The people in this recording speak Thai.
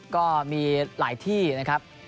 ก็มีหลายที่นะครับ